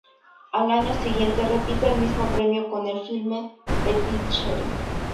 Al año siguiente repite el mismo premio con el filme "Petit Cheri".